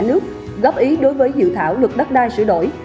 nước góp ý đối với dự thảo luật đất đai sửa đổi